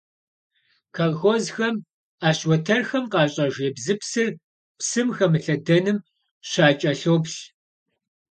Колхозхэм Ӏэщ уэтэрхэм къащӀэж ебзыпсыр псым хэмылъэдэным щакӀэлъоплъ.